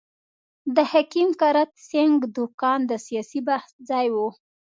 د حکیم کرت سېنګ دوکان د سیاسي بحث ځای وو.